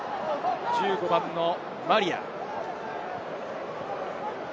１５番のマリア。